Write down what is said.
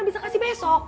bisa kasih besok